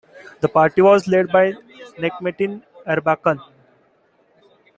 The party was led by Necmettin Erbakan.